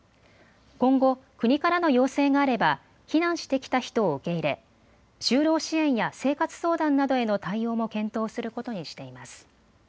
今後、国からの要請があれば避難してきた人を受け入れ就労支援や生活相談などへの対応も検討することにしています。